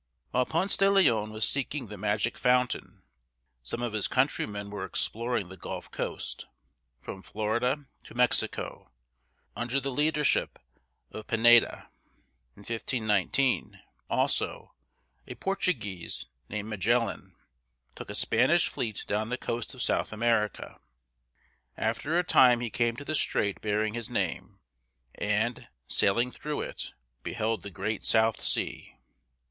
While Ponce de Leon was seeking the magic fountain, some of his countrymen were exploring the Gulf coast, from Florida to Mexico, under the leadership of Pineda (pe nā´da). In 1519, also, a Portuguese, named Ma gel´lan, took a Spanish fleet down the coast of South America. After a time he came to the strait bearing his name, and, sailing through it, beheld the Great South Sea.